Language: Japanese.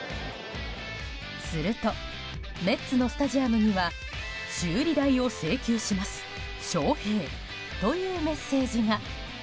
するとメッツのスタジアムには「修理代を請求します、翔平」というメッセージが。